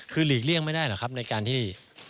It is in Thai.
คือหลีกเลี่ยงไม่ได้หรอกครับในการที่